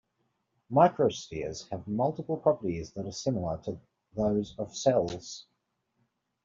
Microspheres have multiple properties that are similar to those of cells.